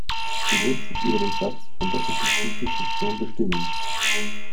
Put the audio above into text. Sie lässt sich über den Satz von der impliziten Funktion bestimmen.